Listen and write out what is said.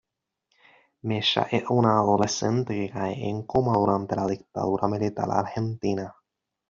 Mecha es una adolescente que cae en coma durante la dictadura militar argentina.